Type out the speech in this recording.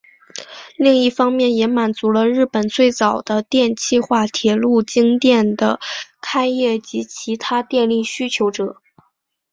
另一方面也满足了日本最早的电气化铁路京电的开业及其他电力需求者。